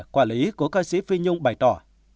quản lý của ca sĩ phi nhung bày tỏ